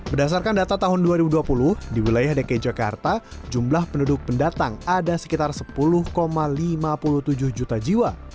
berdasarkan data tahun dua ribu dua puluh di wilayah dki jakarta jumlah penduduk pendatang ada sekitar sepuluh lima puluh tujuh juta jiwa